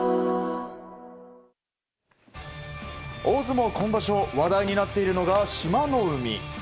大相撲、今場所話題になっているのが志摩ノ海。